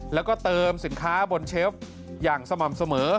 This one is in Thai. แล้วก็เติมสินค้าบนเชฟอย่างสม่ำเสมอ